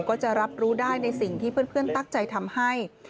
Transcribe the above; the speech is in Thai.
ก็จะรับรู้ได้ในสิ่งที่เพื่อนตั้งใจทำให้